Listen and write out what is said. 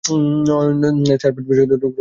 Nash Harvard বিশ্ববিদ্যালয়েও গ্রহণযোগ্য ছিলেন।